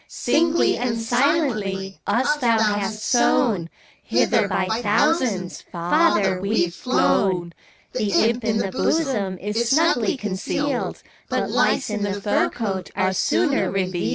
Singly and silently Us thou hast sown; Hither, by thousands. Father, we've flown. The imp in the bosom Is snugly concealed; But lice in the fur coat Are sooner revealed.